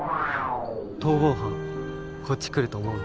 逃亡犯こっち来ると思う？